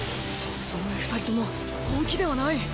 そのうえ二人とも本気ではない。